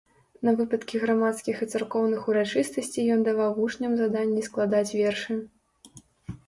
На выпадкі грамадскіх і царкоўных урачыстасцей ён даваў вучням заданні складаць вершы.